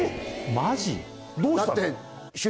マジ？